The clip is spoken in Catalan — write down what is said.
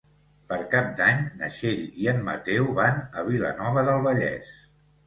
Per Cap d'Any na Txell i en Mateu van a Vilanova del Vallès.